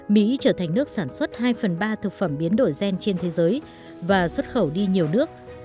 mỹ trở thành nước sản xuất hai phần ba thực phẩm biến đổi gen trên thế giới và xuất khẩu đi nhiều nước